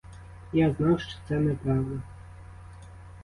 Я знав, що це неправда.